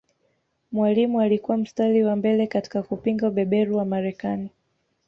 Mwalimu alikuwa mstari wa mbele katika kupinga ubeberu wa Marekani